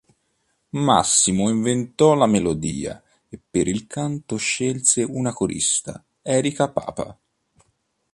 Massimo inventò la melodia e per il canto scelse una corista: Erika Papa.